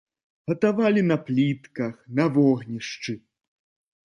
Гатавалі на плітках, на вогнішчы.